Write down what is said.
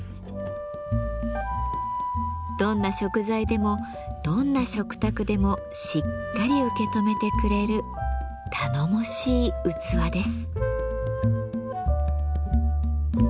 どんな食材でもどんな食卓でもしっかり受け止めてくれる頼もしい器です。